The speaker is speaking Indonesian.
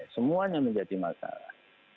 semuanya menjadi masalah